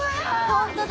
本当だ。